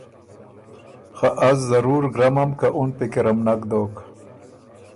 خه از ضرور ګرمم که اُن پِکرم نک دوک۔